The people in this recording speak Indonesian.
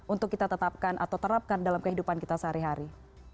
untuk kita tetapkan atau terapkan dalam kehidupan kita sehari hari